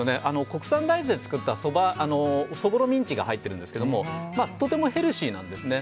国産大豆で作ったそぼろミンチが入ってるんですけどとてもヘルシーなんですね。